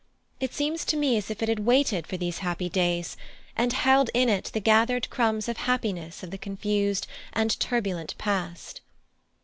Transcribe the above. It seems to me as if it had waited for these happy days, and held in it the gathered crumbs of happiness of the confused and turbulent past."